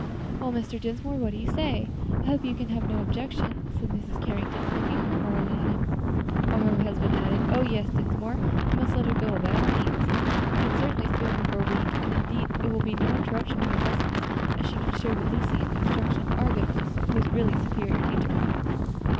"Well, Mr. Dinsmore, what do you say? I hope you can have no objection," said Mrs. Carrington, looking inquiringly at him; while her husband added, "Oh! yes, Dinsmore, you must let her go by all means; you can certainly spare her for a week, and it need be no interruption to her lessons, as she can share with Lucy in the instructions of our governess, who is really a superior teacher."